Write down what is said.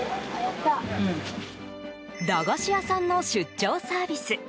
駄菓子屋さんの出張サービス。